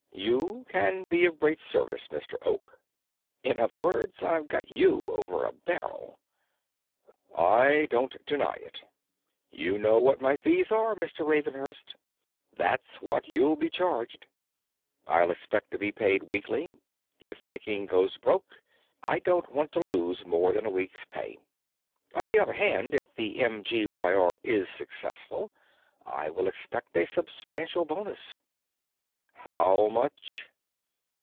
You can be of great service, Mr. Oak." "In other words, I've got you over a barrel." "I don't deny it." "You know what my fees are, Mr. Ravenhurst. That's what you'll be charged. I'll expect to be paid weekly; if Viking goes broke, I don't want to lose more than a week's pay. On the other hand, if the MGYR 8 is successful, I will expect a substantial bonus." "How much?"